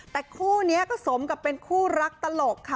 แต่คู่นี้ก็สมกับเป็นคู่รักตลกค่ะ